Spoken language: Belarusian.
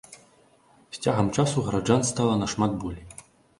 З цягам часу гараджан стала нашмат болей.